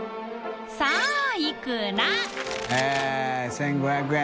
１５００円！